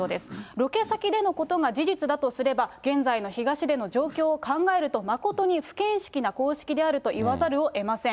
ロケ先でのことが事実だとすれば、現在の東出の状況を考えると、誠に不見識な行動であるといわざるをえません。